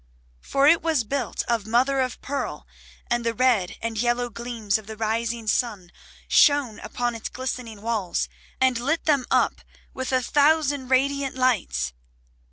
For it was built of mother of pearl, and the red and yellow gleams of the rising sun shone upon its glistening walls, and lit them up with a thousand radiant lights.